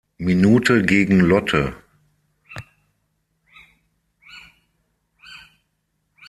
Minute gegen Lotte.